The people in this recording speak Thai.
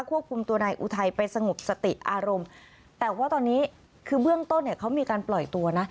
ควบคุมตัวนายอุทัยไปสงบสติอารมณ์แต่ว่าตอนนี้คือเบื้องต้นเนี่ยเขามีการปล่อยตัวนะ